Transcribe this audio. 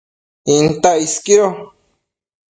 Intac isquido